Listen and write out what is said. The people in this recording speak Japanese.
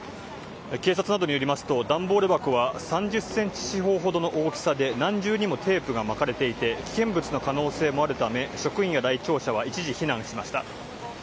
警察などによりますと段ボール箱は３０ｃｍ四方ほどの大きさで何重にもテープが巻かれていて危険物の可能性もあるため職員や来庁者は一時、避難しました。